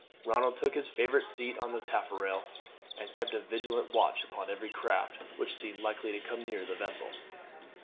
Ronald took his favourite seat on the taffrail, and kept a vigilant watch upon every craft which seemed likely to come near the vessel.